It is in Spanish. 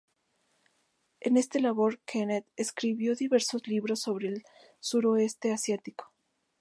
En esta labor Kenneth escribió diversos libros sobre el suroeste asiático.